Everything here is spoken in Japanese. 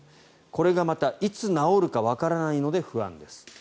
これがまた、いつ治るかわからないので不安です。